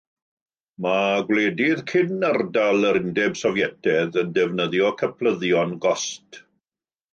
Mae gwledydd cyn-ardal yr Undeb Sofietaidd yn defnyddio cyplyddion Gost.